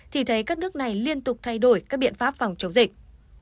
thì thấy các nước này liên tục thay đổi các biện pháp phòng chống dịch